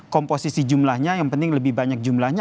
komposisi jumlahnya yang penting lebih banyak jumlahnya